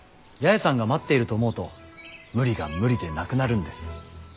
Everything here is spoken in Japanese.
八重さんが待っていると思うと無理が無理でなくなるんです。